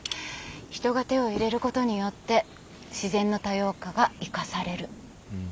人が手を入れることによって自然の多様化が生かされる。